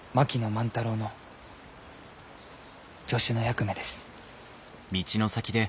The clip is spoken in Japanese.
万太郎の助手の役目です。